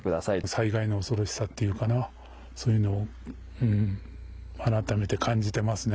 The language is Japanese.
災害の恐ろしさというかなそういうのを改めて感じてますね。